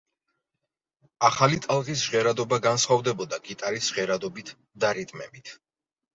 ახალი ტალღის ჟღერადობა განსხვავდებოდა გიტარის ჟღერადობით და რიტმებით.